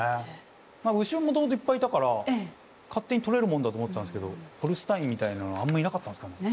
牛はもともといっぱいいたから勝手にとれるもんだと思ってたんですけどホルスタインみたいなのはあんまいなかったんすかね。